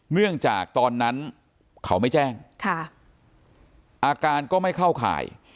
เนื่องจากตอนนั้นเขาไม่แจ้งอาการก็ไม่เข้าข่าย